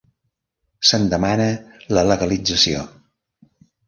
Se'n demana la legalització.